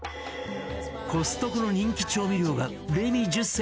コストコの人気調味料がレミ１０選に選出